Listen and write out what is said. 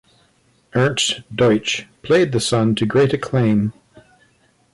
Ernst Deutsch played the Son to great acclaim.